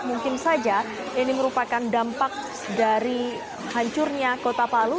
mungkin saja ini merupakan dampak dari hancurnya kota palu